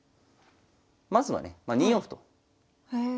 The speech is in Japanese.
まずはね２四歩とへえ。